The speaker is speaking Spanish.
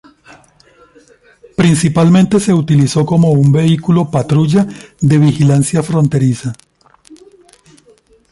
Principalmente su utilizó como un vehículo patrulla de vigilancia fronteriza.